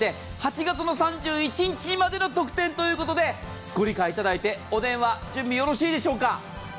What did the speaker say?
８月３１日までの特典ということでご理解いただいて、お電話、準備よろしいでしょうか。